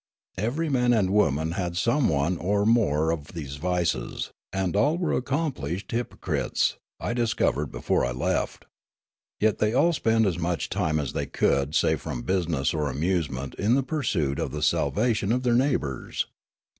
Every man and woman had some one or more of these vices ; and all were accomplished h5'pocrites, I discovered before I left. Yet they all spent as much time as they could save from business or amusement in the pursuit of the salvation of their neighbours.